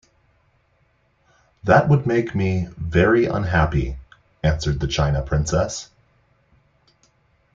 "That would make me very unhappy," answered the china princess.